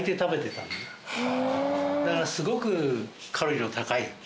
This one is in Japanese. だからすごくカロリーの高い。